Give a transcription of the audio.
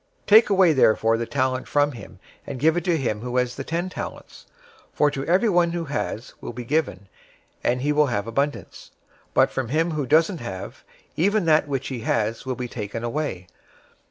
025:028 Take away therefore the talent from him, and give it to him who has the ten talents. 025:029 For to everyone who has will be given, and he will have abundance, but from him who doesn't have, even that which he has will be taken away.